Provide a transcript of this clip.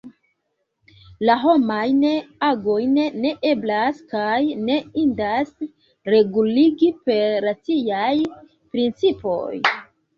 La homajn agojn ne eblas kaj ne indas reguligi per raciaj principoj.